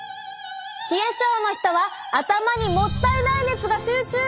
冷え症の人は頭にもったいない熱が集中！